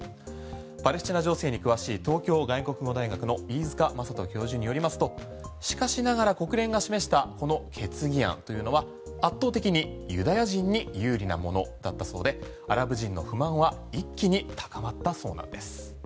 パレスチナ情勢に詳しい東京外国語大学の飯塚正人教授によりますとしかしながら、国連が示したこの決議案というのは圧倒的にユダヤ人に有利なものだったそうでアラブ人の不満は一気に高まったそうなんです。